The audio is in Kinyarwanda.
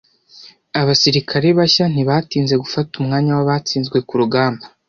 Abasirikare bashya ntibatinze gufata umwanya wabatsinzwe kurugamba.